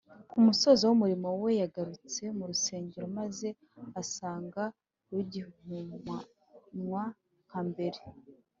ku musozo w’umurimo we yagarutse mu rusengero, maze asanga rugihumanywa nka mbere